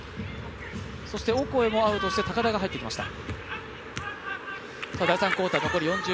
オコエもアウトして、高田が入ってきました。